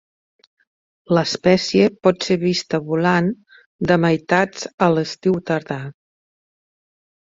L'espècie pot ser vista volant de meitats a l'estiu tardà.